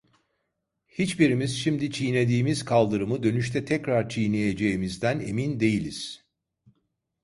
Hiçbirimiz şimdi çiğnediğimiz kaldırımı dönüşte tekrar çiğneyeceğimizden emin değiliz!